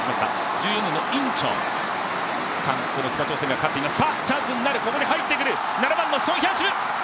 １４年のインチョン、北朝鮮が勝っています。